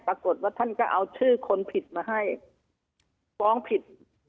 ปรากฏว่าท่านก็เอาชื่อคนผิดมาให้ฟ้องผิด